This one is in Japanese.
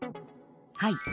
はい。